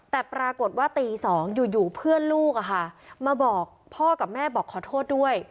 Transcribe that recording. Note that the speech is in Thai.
แต่ปรากฏว่าตี๒อยู่เพื่อนลูกมาบอกพ่อกับแม่บอกขอโทษด้วย